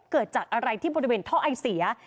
เกิดจากอะไรที่บริเวณท่อไอเสีย